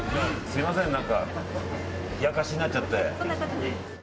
すみません冷やかしになっちゃって。